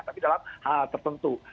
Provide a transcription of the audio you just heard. tapi dalam hal tertentu